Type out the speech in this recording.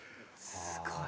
すごい。